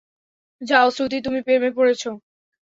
যাও শ্রুতি তুমি প্রেমে পড়েছো?